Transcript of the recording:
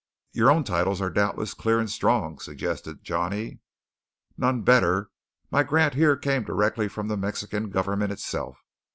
"Your own titles are doubtless clear and strong," suggested Johnny. "None better. My grant here came directly from the Mexican government itself."